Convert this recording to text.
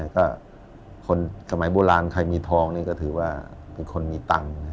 ก็คนสมัยโบราณใครมีทองนี่ก็ถือว่าเป็นคนมีตังค์